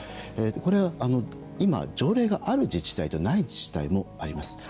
これは今、条例がある自治体とない自治体もあります